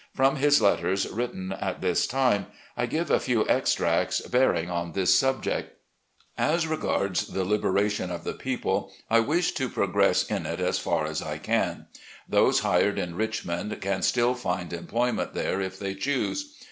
From his letters written at this time I give a few extracts bearing on this subject : 90 RECOLLECTIONS OP GENERAL LEE . As regards the Kberation of the people, I wish to progress in it as far as I can. Those hired in Rich mond can still find employment there if they choose.